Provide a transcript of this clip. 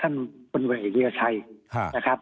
ว่าสมมติว่าท่านคุณพันวะเอเยอรี่ย์ไทย